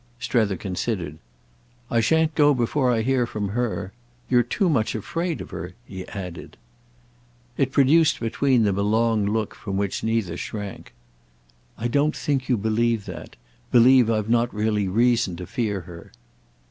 Strether considered. "I shan't go before I hear from her. You're too much afraid of her," he added. It produced between them a long look from which neither shrank. "I don't think you believe that—believe I've not really reason to fear her."